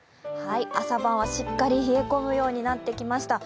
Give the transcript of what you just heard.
朝晩はしっかり冷え込むようになってきました。